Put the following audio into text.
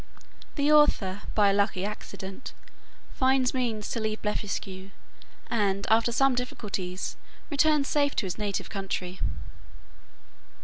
The author, by a lucky accident, finds means to leave Blefuscu; and, after some difficulties, returns safe to his native country.